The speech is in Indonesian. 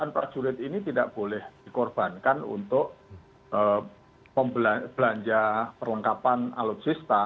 dan prajurit ini tidak boleh dikorbankan untuk belanja perlengkapan alutsista